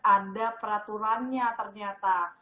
ada peraturannya ternyata